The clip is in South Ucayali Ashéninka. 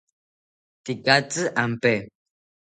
Tekatzi ampe